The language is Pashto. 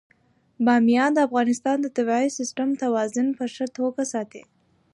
بامیان د افغانستان د طبعي سیسټم توازن په ښه توګه ساتي.